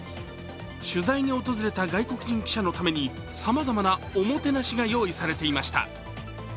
取材に訪れた外国人記者のためにさまざまなおもてなしが用意されていました。